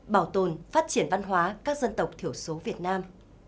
bảo tồn phát triển văn hóa các dân tộc thiểu số việt nam